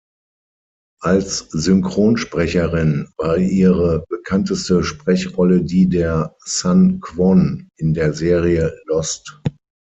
Als Synchronsprecherin war ihre bekannteste Sprechrolle die der "Sun Kwon" in der Serie "Lost".